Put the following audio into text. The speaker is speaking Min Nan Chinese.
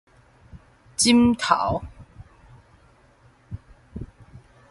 寢頭